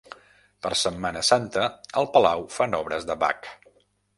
Per Setmana Santa, al Palau fan obres de Bach.